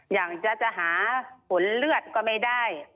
อย่างจะหาผลเลือดก็ไม่ได้